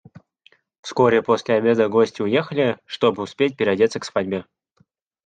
Вскоре после обеда гости уехали, чтоб успеть переодеться к свадьбе.